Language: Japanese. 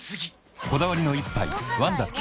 こだわりの一杯「ワンダ極」